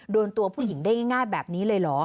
โดนตัวผู้หญิงได้ง่ายแบบนี้เลยเหรอ